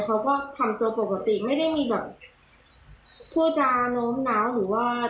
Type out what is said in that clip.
เขาก็ทำตัวปกติไม่ได้มีแบบผู้จาโน้มน้าวหรือว่า